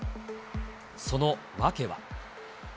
その訳は。